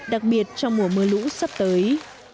đặc biệt trong mùa mưa lũ sắp tới